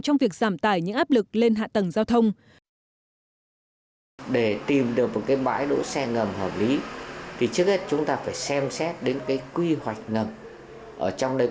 trong việc giảm tài những áp lực lên hạ tầng giao thông